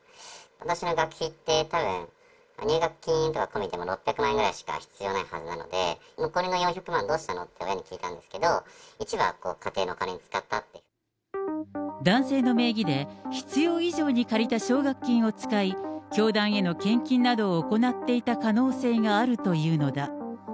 私の学費って、たぶん入学金とか込みでも６００万円ぐらいしか必要ないはずなので、残りの４００万どうしたのって親に聞いたんですけど、男性の名義で、必要以上に借りた奨学金を使い、教団への献金などを行っていた可能性があるというのだ。